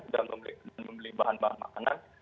dan membeli bahan bahan makanan